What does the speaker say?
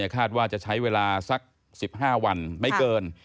คาดว่าจะใช้เวลาสัก๑๕วันไม่เกิน